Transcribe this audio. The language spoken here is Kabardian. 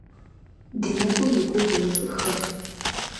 Ди нэкӀум и гугъу умыщӀыххэ.